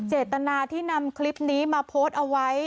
เจตนาที่นำคลิปนี้มาโพสต์เอาไว้